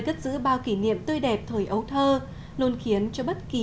chắc chắn tôi thích thức ăn ở hà tây